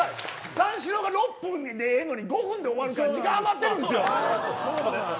三四郎が６分でええのに５分で終わらせて時間、余ってるんですよ。